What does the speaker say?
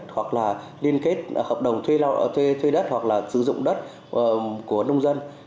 hoặc là liên kết hợp đồng thuê đất hoặc là sử dụng đất của nông dân